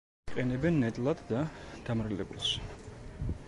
იყენებენ ნედლად და დამარილებულს.